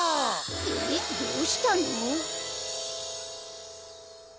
えっどうしたの？